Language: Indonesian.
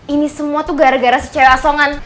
ini semua tuh gara gara si cewek asongan